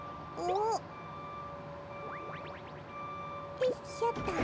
よいしょと。